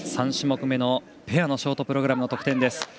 ３種目めのペアのショートプログラムの得点。